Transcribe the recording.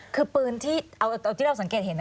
คือปืนที่เราสังเกตเห็นนะคะ